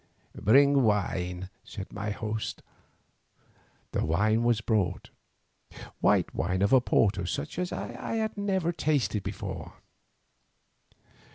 "Bring wine," said my host. The wine was brought, white wine of Oporto such as I had never tasted before.